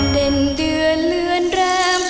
เป็นเดือนเลือนราม